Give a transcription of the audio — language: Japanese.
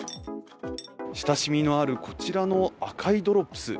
親しみのあるこちらの赤いドロップス